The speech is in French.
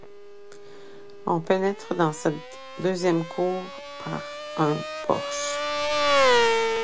On pénètre dans cette deuxième cour par un porche.